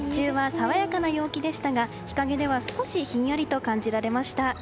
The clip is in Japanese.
今日も日中は爽やかな陽気でしたが日陰では少しひんやりと感じられました。